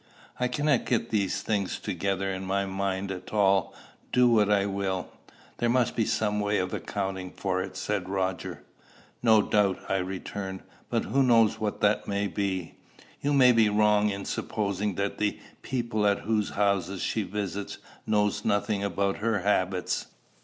I cannot get these things together in my mind at all, do what I will." "There must be some way of accounting for it," said Roger. "No doubt," I returned; "but who knows what that way may be?" "You may be wrong in supposing that the people at whose houses she visits know nothing about her habits."